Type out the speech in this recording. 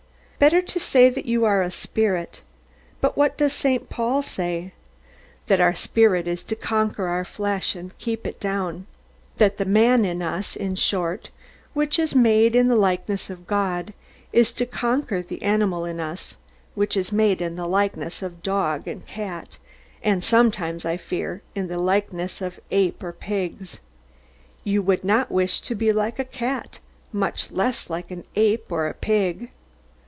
Better to say that you are a spirit. But what does St. Paul say? That our spirit is to conquer our flesh, and keep it down. That the man in us, in short, which is made in the likeness of God, is to conquer the animal in us, which is made in the likeness of the dog and the cat, and sometimes (I fear) in the likeness of the ape or the pig. You would not wish to be like a cat, much less like an ape or a pig?